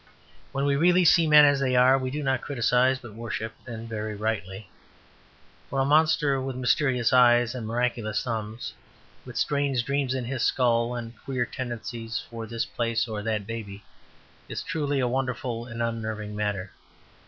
When we really see men as they are, we do not criticise, but worship; and very rightly. For a monster with mysterious eyes and miraculous thumbs, with strange dreams in his skull, and a queer tenderness for this place or that baby, is truly a wonderful and unnerving matter.